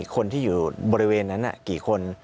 คนที่อยู่บริเวณนั้นกี่คน